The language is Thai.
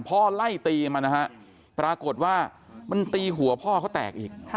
ไล่ตีมานะฮะปรากฏว่ามันตีหัวพ่อเขาแตกอีก